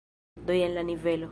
Do jen la nivelo.